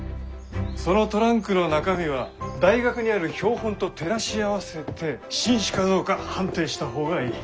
そのトランクの中身は大学にある標本と照らし合わせて新種かどうか判定した方がいい。